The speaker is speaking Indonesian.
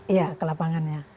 iya ke lapangannya